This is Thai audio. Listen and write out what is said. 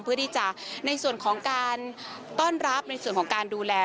เพื่อที่จะในส่วนของการต้อนรับในส่วนของการดูแล